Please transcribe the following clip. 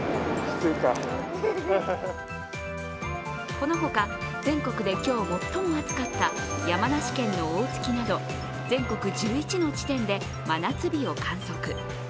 この他、全国で今日最も暑かった山梨県の大月など全国１１の地点で真夏日を観測。